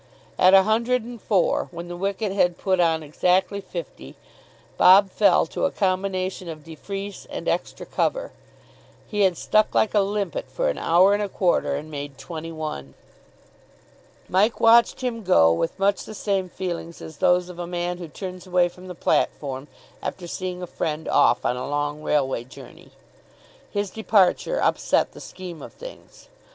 At a hundred and four, when the wicket had put on exactly fifty, Bob fell to a combination of de Freece and extra cover. He had stuck like a limpet for an hour and a quarter, and made twenty one. Mike watched him go with much the same feelings as those of a man who turns away from the platform after seeing a friend off on a long railway journey. His departure upset the scheme of things.